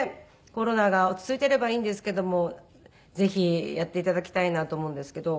コロナが落ち着いてればいいんですけどもぜひやっていただきたいなと思うんですけど。